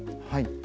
はい。